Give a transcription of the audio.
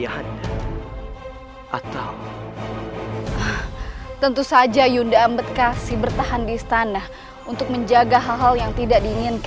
kanda tidak ada yang bisa mengobatinmu